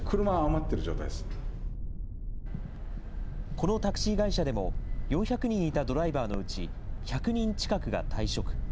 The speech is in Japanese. このタクシー会社でも、４００人いたドライバーのうち、１００人近くが退職。